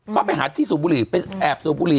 ก็ไปหาที่สูบบุหรี่ไปแอบสูบบุห